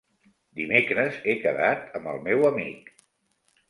Dimecres he quedat amb el meu amic.